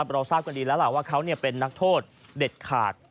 เราทราบกันดีแล้วล่ะว่าเขาเป็นนักโทษเด็ดขาด